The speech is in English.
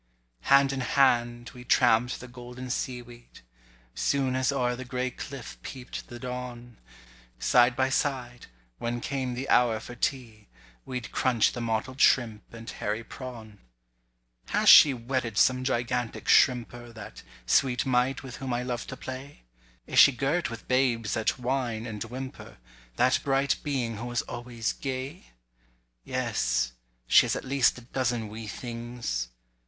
Hand in hand we tramp'd the golden seaweed, Soon as o'er the gray cliff peep'd the dawn: Side by side, when came the hour for tea, we'd Crunch the mottled shrimp and hairy prawn:— Has she wedded some gigantic shrimper, That sweet mite with whom I loved to play? Is she girt with babes that whine and whimper, That bright being who was always gay? Yes—she has at least a dozen wee things!